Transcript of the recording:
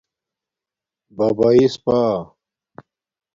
ببایس پا